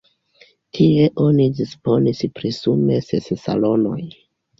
Tie oni disponis pri sume ses salonoj.